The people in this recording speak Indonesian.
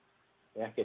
perusahaan yang lain